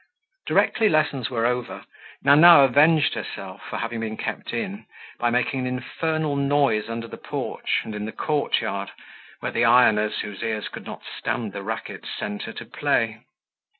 Directly lessons were over Nana avenged herself for having been kept in by making an infernal noise under the porch and in the courtyard where the ironers, whose ears could not stand the racket, sent her to play.